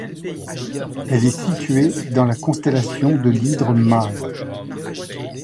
Elle est située dans la constellation de l'Hydre mâle.